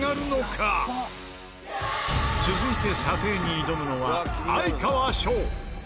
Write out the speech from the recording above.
続いて査定に挑むのは哀川翔。